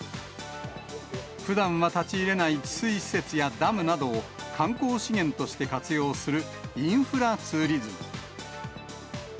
ふだんは立ち入れない治水施設やダムなどを、観光資源として活用するインフラツーリズム。